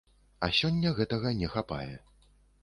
А сёння гэтага не хапае.